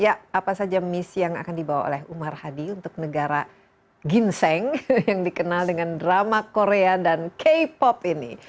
ya apa saja misi yang akan dibawa oleh umar hadi untuk negara ginseng yang dikenal dengan drama korea dan k pop ini